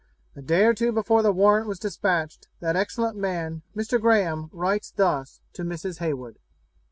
A day or two before the warrant was despatched, that excellent man, Mr. Graham, writes thus to Mrs. Heywood.